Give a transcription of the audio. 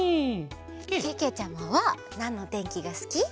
けけちゃまはなんのてんきがすき？